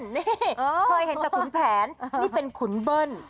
นี่เคยเห็นแต่ขุนแผนนี่เป็นขุนเบิ้ล